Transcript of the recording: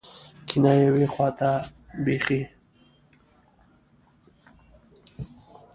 کېنه یو خو ته بېخي.